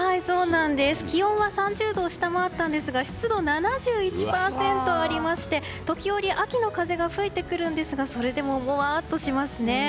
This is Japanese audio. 気温は３０度を下回ったんですが湿度が７１％ありまして時折、秋の風が吹いてくるんですがそれでも、もわっとしますね。